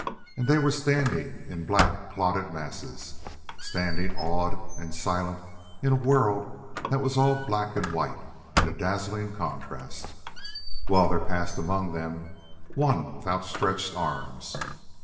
And they were standing in black, clotted masses, standing awed and silent in a world that was all black and white in a dazzling contrast, while there passed among them one with outstretched arms.